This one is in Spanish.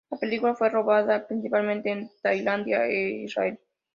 La película fue rodada principalmente en Tailandia e Israel.